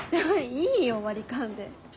いいよ割り勘で。